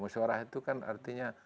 musyawarah itu kan artinya